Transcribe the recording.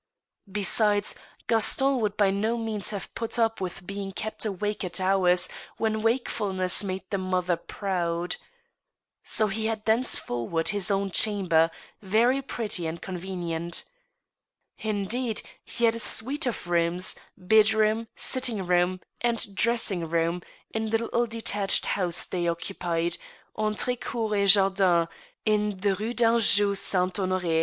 Besides, Gaston would by no means have put up with being kept awake at hours when wakefulness made the mother proud. So he had thenceforward his own chamber, very pretty and convenient. Indeed, he had a suite of rooms, bedroom, sitting room, and dressing room, in the little de tached house they occupied, entre cour etjardin, in the Rue d'Anjou Saint Honor6.